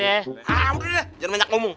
ah udah udah jangan banyak ngomong